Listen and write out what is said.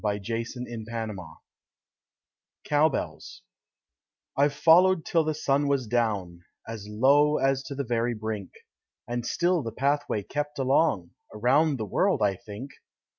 [Illustration: CANDLE LIGHT] Cow Bells I've followed till the Sun was down, As low as to the very brink; And still the pathway kept along, Around the world, I think.